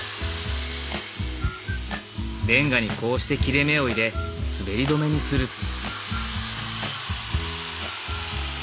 レンガにこうして切れ目を入れ滑り止めにする。